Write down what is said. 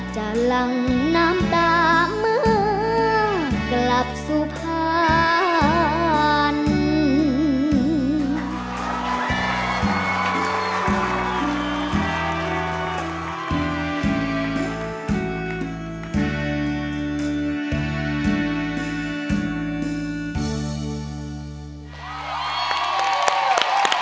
จะหลั่งน้ำตาเมื่อกลับสุภัณฑ์